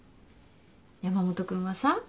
山本君はさ